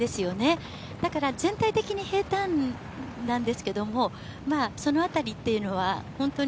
だから、全体的に平たんなんですけども、そのあたりというのは本当に。